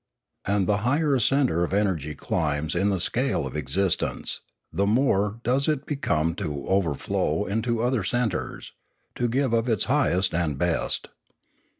And the higher a centre of energy climbs in the scale of existence, the more eager does it become to overflow into other centres, to give of its highest and best.